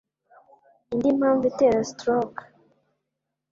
indi mpamvu itera stroke